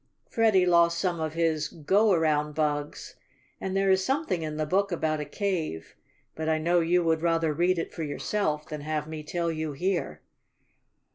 Freddie lost some of his "go around" bugs, and there is something in the book about a cave, but I know you would rather read it for yourself than have me tell you here.